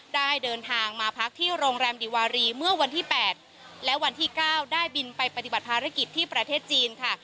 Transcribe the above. ได้เดินทางมาพักที่โรงแรมดีวารีเมื่อวันที่๘และวันที่๙ได้บินไปปฏิบัติภารกิจที่ประเทศจีนค่ะ